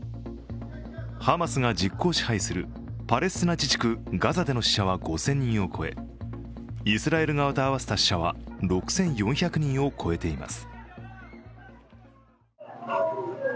ハマスが実効支配するパレスチナ自治区ガザでの死者は５０００人を超え、イスラエル側と合わせた死者は６４００人を超えています。